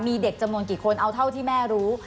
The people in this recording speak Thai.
มีเด็กจำนวนกี่คนเอาเท่าที่แม่รู้